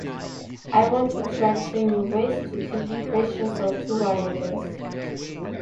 I want to try three new ways to teach equations of two variables.